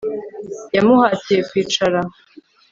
Yamuhatiye kwicara